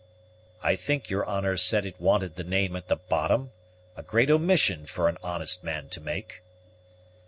"I think your honor said it wanted the name at the bottom; a great omission for an honest man to make."